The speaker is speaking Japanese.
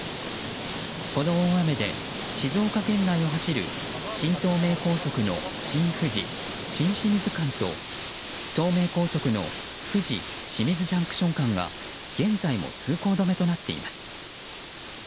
この大雨で静岡県内を走る新東名高速の新富士新清水間と東名高速の富士清水ＪＣＴ間が現在も通行止めとなっています。